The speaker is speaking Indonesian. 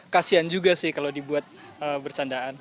kasian juga sih kalau dibuat bercandaan